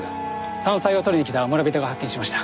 山菜を採りに来た村人が発見しました。